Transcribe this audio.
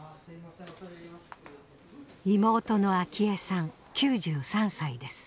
妹のアキヱさん９３歳です。